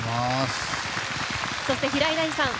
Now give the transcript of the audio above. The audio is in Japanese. そして、平井大さん